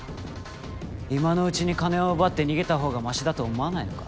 今のうちに金を奪って逃げた方がマシだと思わないのか。